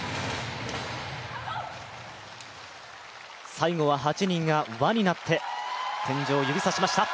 最後は８人が輪になって天井を指、指しました。